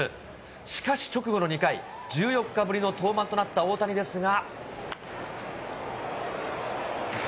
しかし、直後の２回、１４日ぶりの登板となった大谷ですが。